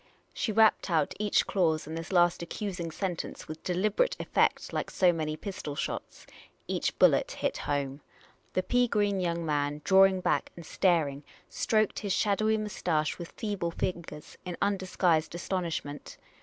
'' She rapped out each clause in this last accusing sentence with deliberate effect, like so many pistol shots. Each bullet hit home. The pea green young man, drawing back and staring, stroked his shadowy moustache with feeble fingers in undisguised astonishment.